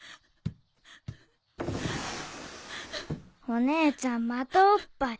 お姉ちゃんまたおっぱい。